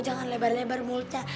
jangan lebar lebar mulutnya